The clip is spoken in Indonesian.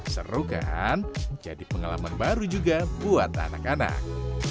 seru kan jadi pengalaman baru juga buat anak anak